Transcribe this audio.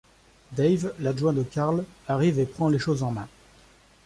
Dave, l’adjoint de Karl, arrive et prend les choses en main.